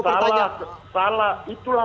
pertanyaan salah itulah